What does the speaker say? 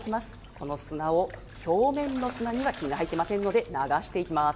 この砂を表面の砂には金が入っていませんので、流していきます。